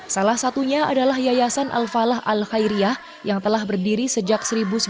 salah satunya adalah yayasan al falah al khairiyah yang telah berdiri sejak seribu sembilan ratus sembilan puluh